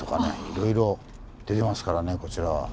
いろいろ出てますからねこちらは。